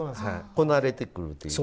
こなれてくるというか。